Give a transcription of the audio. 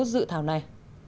dự thảo này